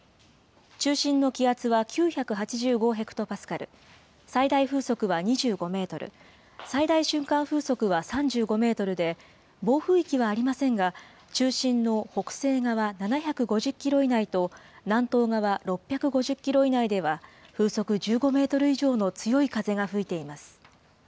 中心の気圧は９８５ヘクトパスカル、最大風速は２５メートル、最大瞬間風速は３５メートルで、暴風域はありませんが、中心の北西側７５０キロ以内と南東側６５０キロ以内では、風速１５メートル以上の強い風が吹いています。